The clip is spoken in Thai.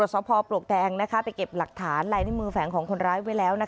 สพปลวกแดงไปเก็บหลักฐานลายนิ้วมือแฝงของคนร้ายไว้แล้ว